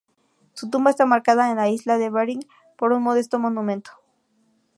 Su tumba está marcada en la isla de Bering por un modesto monumento.